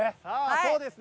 そうですね。